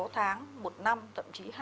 sáu tháng một năm tậm chí